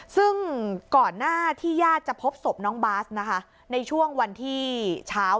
ซึ่งก่อนหน้าที่ญาติจะพบศพน้องบาสนะคะในช่วงวันที่เช้า